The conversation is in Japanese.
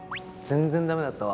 全然ダメだった？